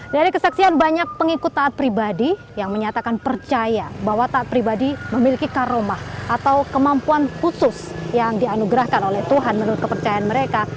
dari kesaksian banyak pengikut taat pribadi yang menyatakan percaya bahwa taat pribadi memiliki karomah atau kemampuan khusus yang dianugerahkan oleh tuhan menurut kepercayaan mereka